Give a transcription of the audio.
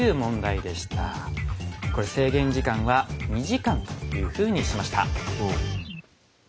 これ制限時間は２時間というふうにしました。